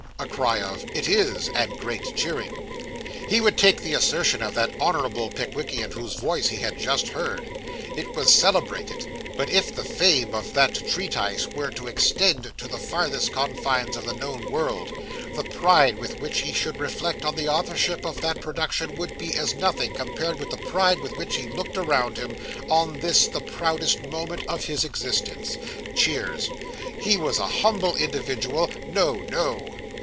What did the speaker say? (A cry of "It is," and great cheering.) He would take the assertion of that honourable Pickwickian whose voice he had just heard it was celebrated; but if the fame of that treatise were to extend to the farthest confines of the known world, the pride with which he should reflect on the authorship of that production would be as nothing compared with the pride with which he looked around him, on this, the proudest moment of his existence. (Cheers.) He was a humble individual. ("No, no.")